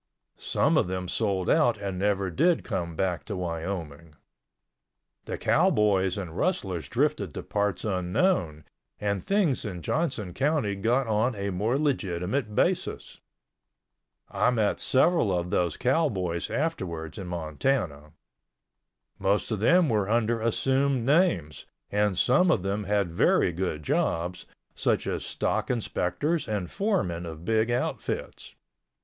Some of them sold out and never did come back to Wyoming. The cowboys and rustlers drifted to parts unknown, and things in Johnson County got on a more legitimate basis. I met several of those cowboys afterwards in Montana. Most of them were under assumed names, and some of them had very good jobs, such as stock inspectors and foremen of big outfits.